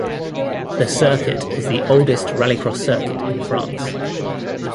The circuit is the oldest Rallycross circuit in France.